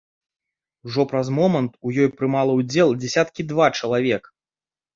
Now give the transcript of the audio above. Ужо праз момант у ёй прымала ўдзел дзесяткі два чалавек.